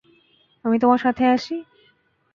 আমি তোমার সাথে আসি?